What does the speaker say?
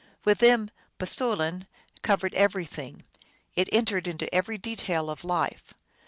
With them m tS oulin covered everything ; it entered into every detail of life.